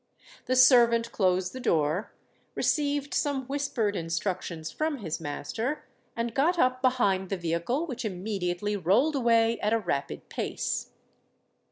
The servant closed the door, received some whispered instructions from his master, and got up behind the vehicle, which immediately rolled away at a rapid pace.